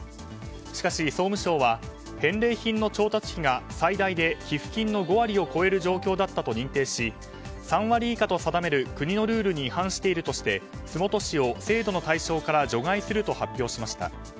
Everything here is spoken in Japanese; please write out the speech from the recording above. しかし、総務省は返礼品の調達費が最大で寄付金の５割を超える状況だったと認定し、３割以下と定める国のルールに違反しているとして洲本市を制度の対象から除外すると発表しました。